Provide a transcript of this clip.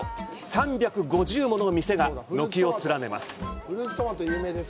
３５０もの店が軒を連ねます。